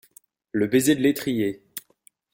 Le baiser de l’étrier !